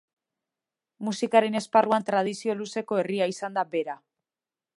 Musikaren esparruan tradizio luzeko herria izan da Bera.